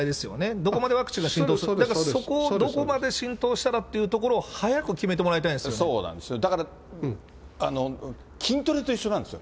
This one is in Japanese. どこまでワクチンが浸透するか、だからそこをどこまで浸透したらというところを早く決めてもらいだから、筋トレと一緒なんですよ。